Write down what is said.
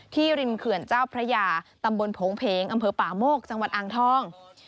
ริมเขื่อนเจ้าพระยาตำบลโผงเพงอำเภอป่าโมกจังหวัดอ่างทอง